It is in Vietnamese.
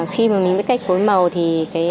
khi mà mình biết cách phối màu thì